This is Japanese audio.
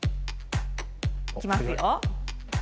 いきますよ。